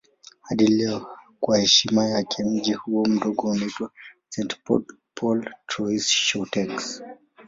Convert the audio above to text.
Hadi leo kwa heshima yake mji huo mdogo unaitwa St. Paul Trois-Chateaux.